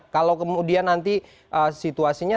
kalau kemudian nanti situasinya